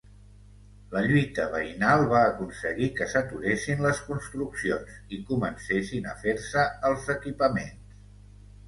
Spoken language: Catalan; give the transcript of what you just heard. La lluita veïnal va aconseguir que s'aturessin les construccions i comencessin a fer-se els equipaments.